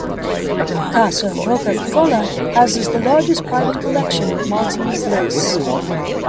Casa Rocca Piccola houses the largest private collection of Maltese lace.